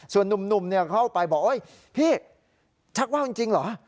ส่วนนุ่มเข้าไปบอกโอ๊ยพี่ชักว่าวจริงเหรอ